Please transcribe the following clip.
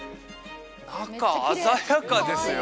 中鮮やかですよ